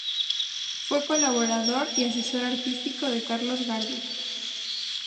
Fue colaborador y asesor artístico de Carlos Gardel.